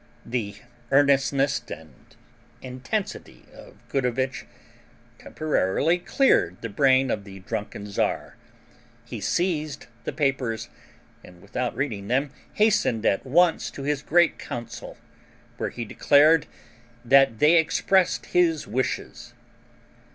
The earnestness and intensity of Gudovitch temporarily cleared the brain of the drunken Czar. He seized the papers, and, without reading them, hastened at once to his great council, where he declared that they expressed his wishes.